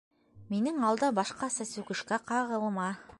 Минең алда башҡаса сүкешкә ҡағылма!